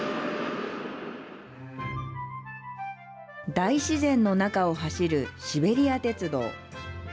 大自然の中を走るシベリア鉄道。